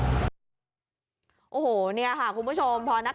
พยายามให้เร็วที่สุดครับ